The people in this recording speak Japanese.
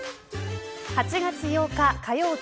８月８日火曜日